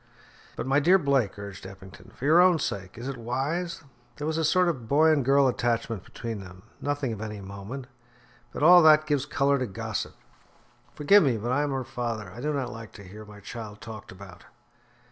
"But, my dear Blake," urged Mr. Eppington, "for your own sake, is it wise? There was a sort of boy and girl attachment between them nothing of any moment, but all that gives colour to gossip. Forgive me, but I am her father; I do not like to hear my child talked about."